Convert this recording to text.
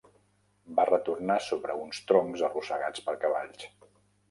Va retornar sobre uns troncs arrossegats per cavalls.